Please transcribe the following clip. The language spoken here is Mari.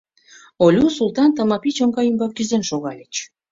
Олю, Султан, Тымапи чоҥга ӱмбак кӱзен шогальыч.